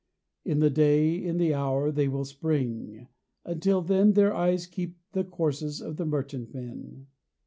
In the day, in the hour, They will spring until then, Their eyes keep the courses Of the merchantmen.